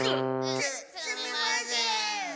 すすみません！